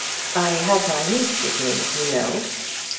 "I have my niece with me, you know."